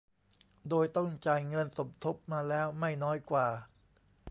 โดยต้องจ่ายเงินสมทบมาแล้วไม่น้อยกว่า